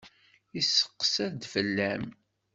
Yesseqsa-d fell-am.